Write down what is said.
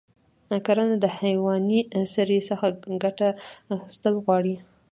کرنه د حیواني سرې څخه ګټه اخیستل غواړي.